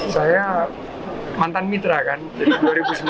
saya mantan mitra kan dari dua ribu sembilan belas